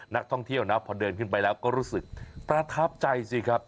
นักท่องเที่ยวนะพอเดินขึ้นไปแล้วก็รู้สึกประทับใจสิครับ